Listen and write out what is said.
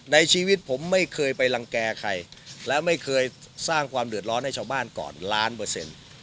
ในชีวิตผมไม่เคยไปรังแก่ใครและไม่เคยสร้างความเดือดร้อนให้ชาวบ้านก่อนล้านเปอร์เซ็นต์